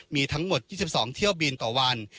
มีทั้งหมด๒๒เที่ยวบินต่อวัน